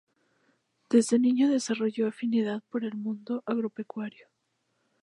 Desde niño desarrolló afinidad por el mundo agropecuario.